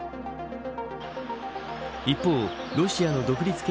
一方、ロシアの独立系